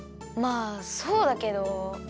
まあそうだけど。